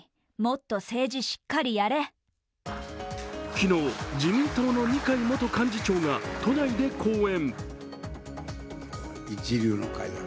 昨日、自民党の二階元幹事長が都内で講演。